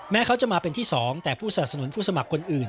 เขาจะมาเป็นที่๒แต่ผู้สนับสนุนผู้สมัครคนอื่น